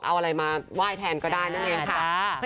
เอาอะไรมาไหว้แทนก็ได้นั่นเองค่ะ